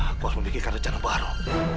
aku harus memikirkan rencana baru